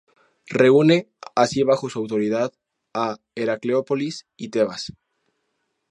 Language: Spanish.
Reúne así bajo su autoridad a Heracleópolis y Tebas.